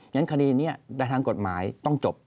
งั้นคดีนี้ในทางกฎหมายต้องจบ